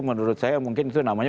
menurut saya mungkin itu namanya